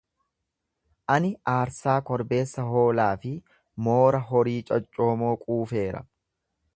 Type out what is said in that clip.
Ani aarsaa korbeessa hoolaa fi moora horii coccoomoo quufeera.